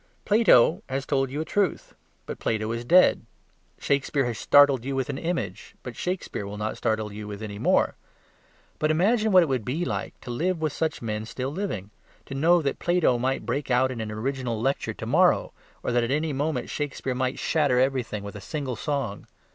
Plato has told you a truth; but Plato is dead. Shakespeare has startled you with an image; but Shakespeare will not startle you with any more. But imagine what it would be to live with such men still living, to know that Plato might break out with an original lecture to morrow, or that at any moment Shakespeare might shatter everything with a single song.